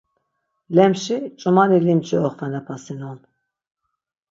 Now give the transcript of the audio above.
Lemşi ç̌umani limci oxvenapasinon.